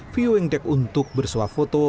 viewing deck untuk bersuap foto